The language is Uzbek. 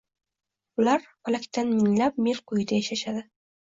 Ular Falakdan minglab mil quyida yashashadi